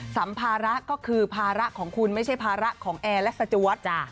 สัมภาระก็คือภาระของคุณไม่ใช่ภาระของแอร์และสจวด